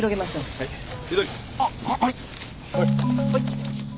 はい。